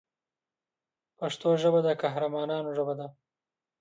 پښتو ژبه د قهرمانانو ژبه ده.